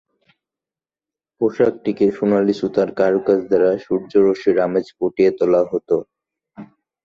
পোশাকটিতে সোনালি সুতার কারুকাজ দ্বারা সূর্যরশ্মির আমেজ ফুটিয়ে তোলা হতো।